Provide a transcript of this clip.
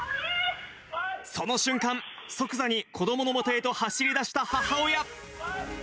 その瞬間、即座に子どものもとへと走りだした母親。